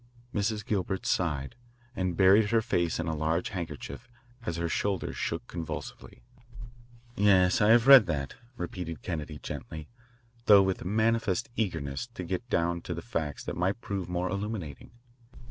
Mrs. Gilbert sighed, and buried her face in a lace handkerchief as her shoulders shook convulsively. "Yes, I have read that," repeated Kennedy gently, though with manifest eagerness to get down to facts that might prove more illuminating.